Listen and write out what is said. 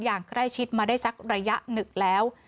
อย่างใกล้ชิดมาได้สักระยะหนึ่งแล้ว